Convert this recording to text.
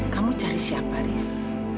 kamu cari siapa haris